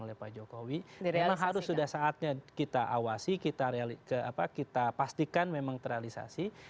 memang harus sudah saatnya kita awasi kita pastikan memang terrealisasi